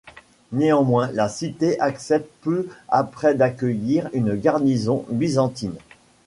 Néanmoins, la cité accepte peu après d'accueillir une garnison byzantine.